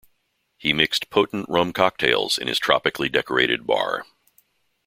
He mixed potent rum cocktails in his tropically decorated bar.